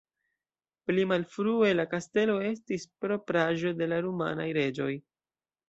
Pli malfrue la kastelo estis la propraĵo de la rumanaj reĝoj.